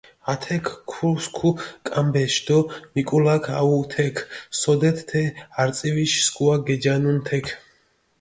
ათექ ქუსქუ კამბეში დო მიკულაქ აჸუ თექ, სოდეთ თე არწივიში სქუა გეჯანუნ თექ.